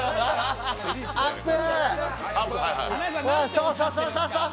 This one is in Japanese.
そうそうそうそうそう！